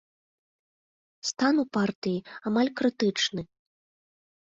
Стан у партыі амаль крытычны.